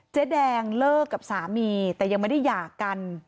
เจ๊แดงเลิกกับสามีแต่ยังไม่ได้หย่ากัน